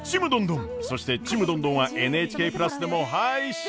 そして「ちむどんどん」は「ＮＨＫプラス」でも配信中！